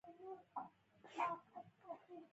د خبرو بویه انسان ښکاره کوي